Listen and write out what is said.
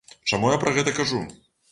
Чаму я пра гэта кажу?